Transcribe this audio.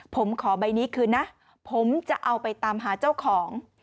ผมขอใบนี้คืนนะผมจะเอาไปตามหาเจ้าของ